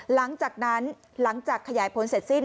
หลังจากนั้นหลังจากขยายผลเสร็จสิ้น